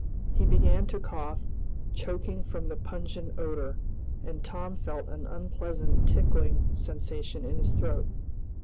He began to cough, choking from the pungent odor, and Tom felt an unpleasant tickling sensation in his throat.